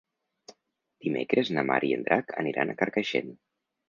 Dimecres na Mar i en Drac aniran a Carcaixent.